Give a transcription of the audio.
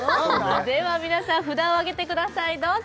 では皆さん札を上げてくださいどうぞ！